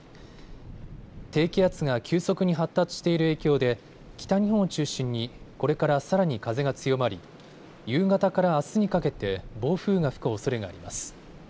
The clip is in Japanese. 低気圧が急速に発達している影響で北日本を中心にこれからさらに風が強まり夕方からあすにかけて暴風が吹くおそれがあります。